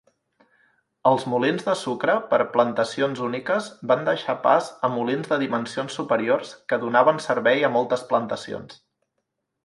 Els molins de sucre per a plantacions úniques van deixar pas a molins de dimensions superiors, que donaven servei a moltes plantacions.